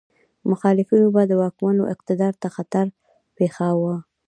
مخالفینو به د واکمنو اقتدار ته خطر پېښاوه.